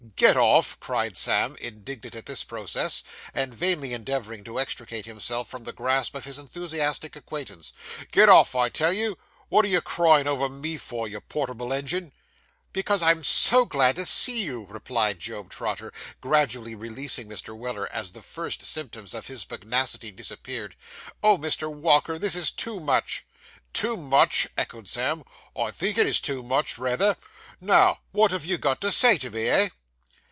'Get off!' cried Sam, indignant at this process, and vainly endeavouring to extricate himself from the grasp of his enthusiastic acquaintance. 'Get off, I tell you. What are you crying over me for, you portable engine?' 'Because I am so glad to see you,' replied Job Trotter, gradually releasing Mr. Weller, as the first symptoms of his pugnacity disappeared. 'Oh, Mr. Walker, this is too much.' 'Too much!' echoed Sam, 'I think it is too much rayther! Now, what have you got to say to me, eh?